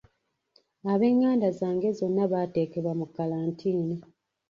Abenganda zange bonna baateekebwa mu kkalantiini.